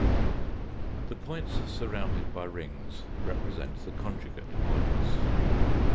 The points surrounded by rings represent the conjugate points.